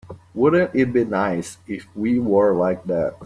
Wouldn't it be nice if we were like that?